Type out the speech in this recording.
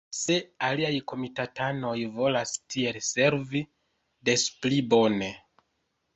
Se aliaj komitatanoj volas tiel servi, despli bone.